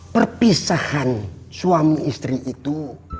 perpisahan suami istri itu